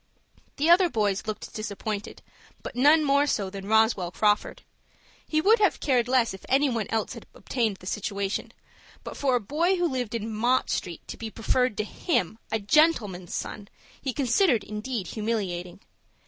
The other boys looked disappointed, but none more so than Roswell Crawford. He would have cared less if any one else had obtained the situation; but for a boy who lived in Mott Street to be preferred to him, a gentleman's son, he considered indeed humiliating.